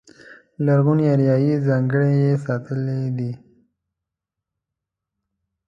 لرغونې اریایي ځانګړنې یې ساتلې دي.